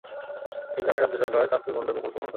এই কারণে রাজ্য সরকার তাজপুর বন্দর প্রকল্প গ্রহণ করে।